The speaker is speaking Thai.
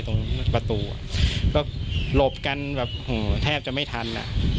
ตรงประตูอ่ะก็หลบกันแบบแทบจะไม่ทัน